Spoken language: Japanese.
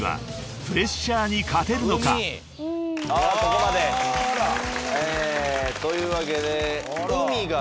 ここまで？というわけで。